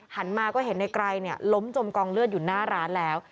หันมาก็เห็นในไกรล้มจมกองเลือดอยู่หน้าร้านแล้ว